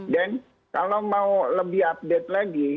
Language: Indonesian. kalau mau lebih update lagi